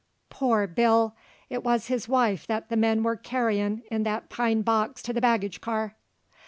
Poor Bill! it wuz his wife that the men were carryin' in that pine box to the baggage car.